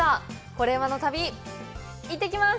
「コレうまの旅」行ってきます！